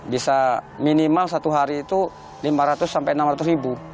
bisa minimal satu hari itu lima ratus sampai enam ratus ribu